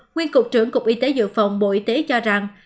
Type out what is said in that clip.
nguyên cục trưởng cục y tế dự phòng bộ y tế cho rằng